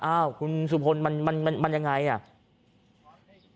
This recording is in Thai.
อ้าวคุณสุพลมันมันยังไงอ่ะ